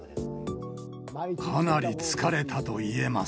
かなり疲れたと言えます。